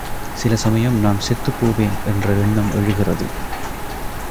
சிலசமயம் நான் செத்துப் போவேன் என்ற எண்ணம் எழுகிறது.